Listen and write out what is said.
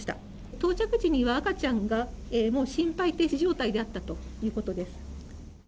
到着時には赤ちゃんがもう、心肺停止状態であったということです。